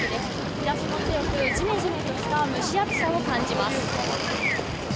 日ざしも強く、ジメジメとした蒸し暑さを感じます。